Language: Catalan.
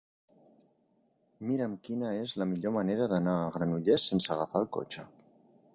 Mira'm quina és la millor manera d'anar a Granollers sense agafar el cotxe.